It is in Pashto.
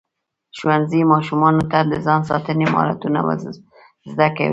ښوونځی ماشومانو ته د ځان ساتنې مهارتونه ورزده کوي.